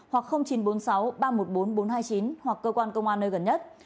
hoặc chín trăm bốn mươi sáu ba trăm một mươi bốn nghìn bốn trăm hai mươi chín hoặc cơ quan công an nơi gần nhất